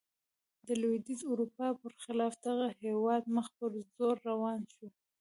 د لوېدیځې اروپا برخلاف دغه هېواد مخ پر ځوړ روان شو.